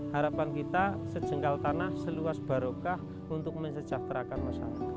harapan kita sejengkal tanah seluas barokah untuk mensejahterakan masyarakat